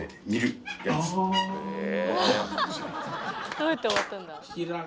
どうやって終わったんだ？